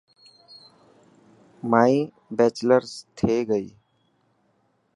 مائي بيچلرز ٿي گئي.